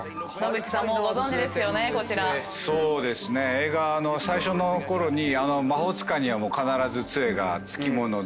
映画の最初のころに魔法使いには必ず杖が付き物で。